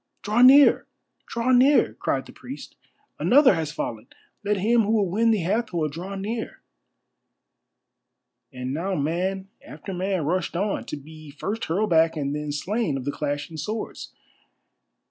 "Draw near! Draw near!" cried the priest. "Another has fallen! Let him who would win the Hathor draw near!" And now man after man rushed on, to be first hurled back and then slain of the clashing swords.